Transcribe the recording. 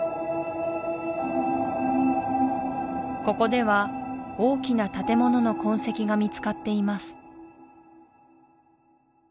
ここでは大きな建物の痕跡が見つかっています